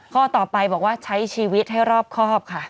ข้อต่อไปบอกว่าใช้ชีวิตให้รอบครอบค่ะ